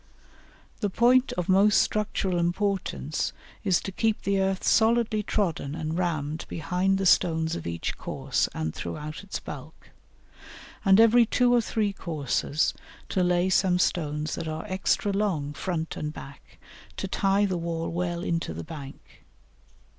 The point of most structural importance is to keep the earth solidly trodden and rammed behind the stones of each course and throughout its bulk, and every two or three courses to lay some stones that are extra long front and back, to tie the wall well into the bank.